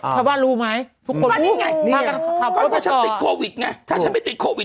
ถ้าว่ารู้ไหมทุกคนนี่ไงถ้าฉันติดโควิดไงถ้าฉันไม่ติดโควิด